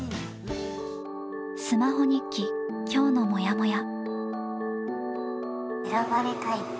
「スマホ日記きょうの“もやもや”」。